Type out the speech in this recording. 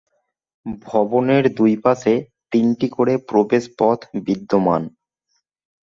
ভবনের দুইপাশে তিনটি করে প্রবেশ পথ বিদ্যমান।